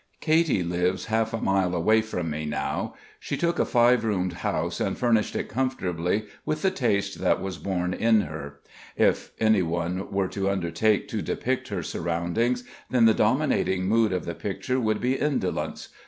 Katy lives half a mile away from me now. She took a five roomed house and furnished it comfortably, with the taste that was born in her. If anyone were to undertake to depict her surroundings, then the dominating mood of the picture would be indolence.